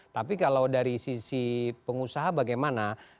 tapi kalau dari sisi pengusaha bagaimana